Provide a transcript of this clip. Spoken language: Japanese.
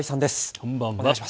こんばんは。